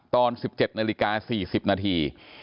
ตอน๑๗นาฬิกา๔๐นาที